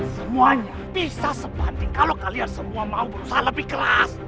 semuanya bisa sebanding kalau kalian semua mau berusaha lebih keras